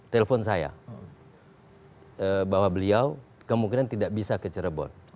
telepon saya bahwa beliau kemungkinan tidak bisa ke cirebon